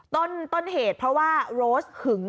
ต้นเหตุเพราะว่าโรสหึง